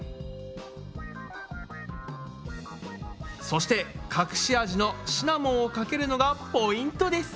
そして隠し味のシナモンをかけるのがポイントです。